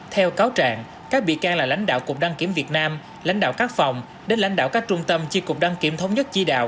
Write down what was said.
theo cáo trạng các bị can là lãnh đạo cục đăng kiểm việt nam lãnh đạo các phòng đến lãnh đạo các trung tâm chi cục đăng kiểm thống nhất chi đạo